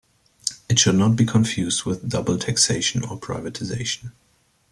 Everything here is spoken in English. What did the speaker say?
It should not be confused with double taxation or privatisation.